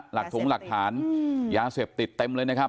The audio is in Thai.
ถงหลักฐานยาเสพติดเต็มเลยนะครับ